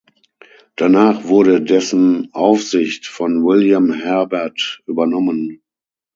Danach wurde dessen Aufsicht von William Herbert übernommen.